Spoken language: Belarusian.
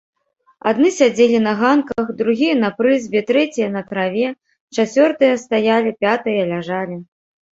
Адны сядзелі на ганках, другія на прызбе, трэція на траве, чацвёртыя стаялі, пятыя ляжалі.